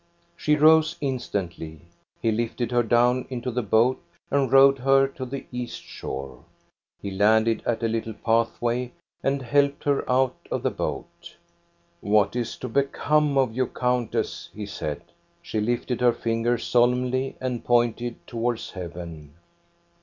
She rose instantly. He lifted her down into the 288 THE STORY OF GOSTA BERLING boat and rowed her to the east shore. He landed at a little pathway and helped her out of the boat. " What is to become of you, countess? '* he said. She lifted her finger solemnly and pointed towards heaven.